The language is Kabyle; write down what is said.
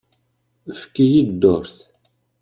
Efk-iyi-d dduṛt.